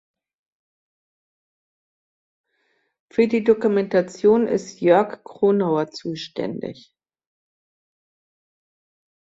Für die Dokumentation ist Jörg Kronauer zuständig.